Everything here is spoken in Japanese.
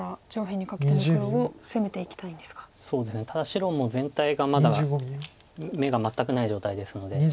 ただ白も全体がまだ眼が全くない状態ですので。